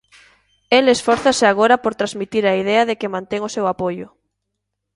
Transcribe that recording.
El esfórzase agora por transmitir a idea de que mantén o seu apoio.